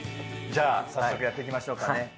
じゃあ早速やっていきましょうかね。